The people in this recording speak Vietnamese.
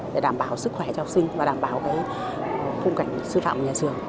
để đảm bảo sức khỏe cho học sinh và đảm bảo khung cảnh sư phạm của nhà trường